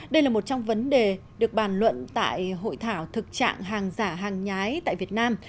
đây là một trong vấn đề được bàn luận tại hội thảo thực trạng hàng giả hàng nhái tại việt nam